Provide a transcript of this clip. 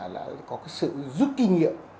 là có sự giúp kinh nghiệm